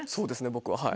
僕ははい。